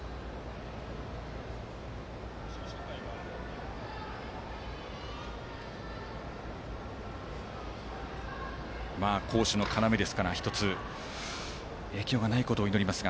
尾形は攻守の要ですから１つ、影響がないことを祈ります。